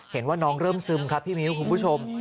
เห็นว่าน้องเริ่มซึมครับพี่มิ้วคุณผู้ชม